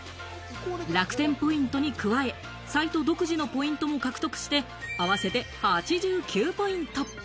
楽天ポイントに加え、サイト独自のポイントも獲得して合わせて８９ポイント。